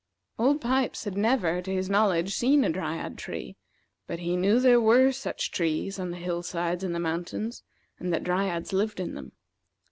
Old Pipes had never, to his knowledge, seen a Dryad tree, but he knew there were such trees on the hill sides and the mountains, and that Dryads lived in them.